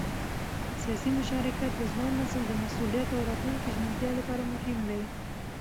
سیاسي مشارکت د ځوان نسل د مسؤلیت او راتلونکي ژمنتیا لپاره مهم دی